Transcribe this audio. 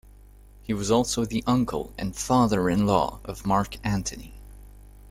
He was also the uncle and father-in-law of Mark Antony.